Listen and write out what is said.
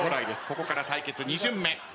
ここから対決２巡目。